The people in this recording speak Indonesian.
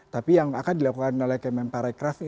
tapi yang akan dilakukan oleh kmm paraih kraf ini